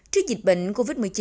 trước dịch bệnh covid một mươi chín